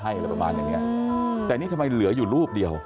จำวัดให้อะไรประมาณอย่างเงี้ยอืมแต่นี่ทำไมเหลืออยู่รูปเดียว